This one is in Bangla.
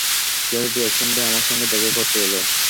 ছেলেটি এক সন্ধ্যায় আমার সঙ্গে দেখা করতে এল।